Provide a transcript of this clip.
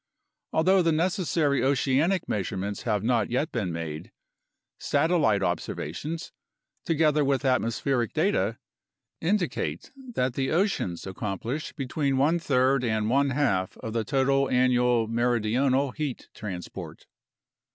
Although the necessary oceanic measurements have not yet been made, satellite observations (together with atmospheric data) indicate that the oceans accomplish between one third and one half of the total annual meridional heat transport.